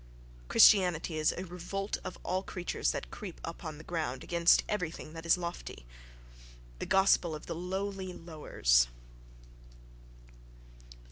Christianity is a revolt of all creatures that creep on the ground against everything that is lofty: the gospel of the "lowly" lowers....